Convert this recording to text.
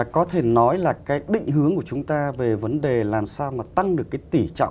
có thể nói là cái định hướng của chúng ta về vấn đề làm sao mà tăng được cái tỉ trọng